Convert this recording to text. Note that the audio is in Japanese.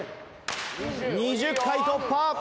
２０回突破！